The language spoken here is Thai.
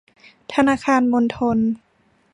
ธนาคารมณฑล